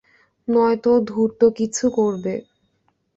নয়তো ধূর্ত কিছু করবে।